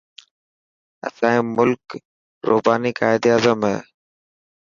اسائي ملڪ روٻاني قائد اعظم هي.